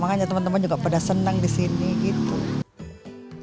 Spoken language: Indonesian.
makanya teman teman juga pada senang di sini gitu